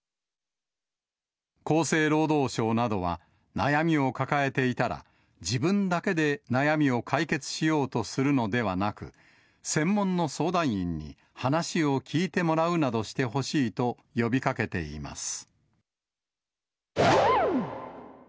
厚生労働省などは、悩みを抱えていたら、自分だけで悩みを解決しようとするのではなく、専門の相談員に話を聞いてもらうなどしてほしいと呼びかけています。